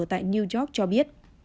tại new york cho biết